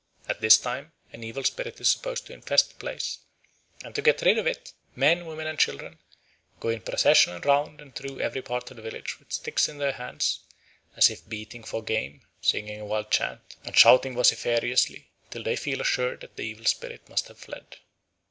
At this time an evil spirit is supposed to infest the place, and to get rid of it men, women, and children go in procession round and through every part of the village with sticks in their hands, as if beating for game, singing a wild chant, and shouting vociferously, till they feel assured that the evil spirit must have fled.